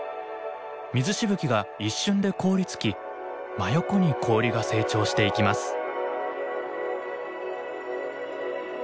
水しぶきが一瞬で凍りつき真横に氷が成長していきます。